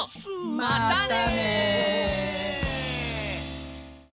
またね！